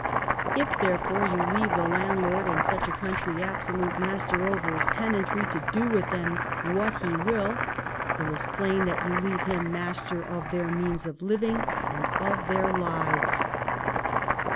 If, therefore, you leave the landlord in such a country absolute master over his tenantry, to do with them w^hat he will, it is plain that you leave him master of their means of living and of their lives.